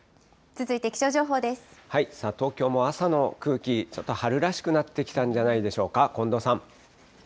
東京も朝の空気、ちょっと春らしくなってきたんじゃないでしょうか、近藤さん。